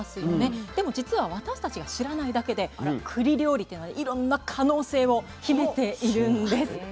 でもじつは私たちが知らないだけでくり料理っていうのはいろんな可能性を秘めているんです。